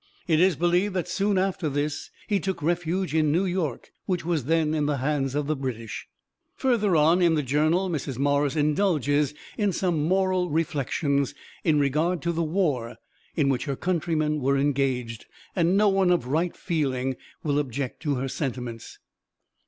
It is believed that soon after this he took refuge in New York, which was then in the hands of the British. Further on in the journal Mrs. Morris indulges in some moral reflections in regard to the war in which her countrymen were engaged, and no one of right feeling will object to her sentiments.